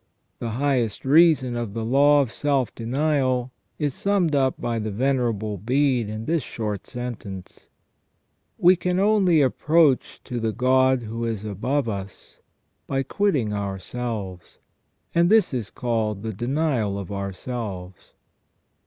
The highest reason of the law of self denial is summed up by the Venerable Bede in this short sentence :" We can only approach to the God who is above us by quitting ourselves, and this is called the denial of ourselves